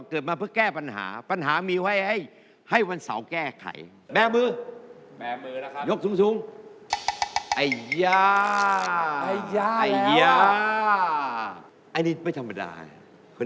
นิดหน่อยครับ